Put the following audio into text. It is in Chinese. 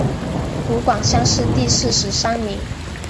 湖广乡试第四十三名。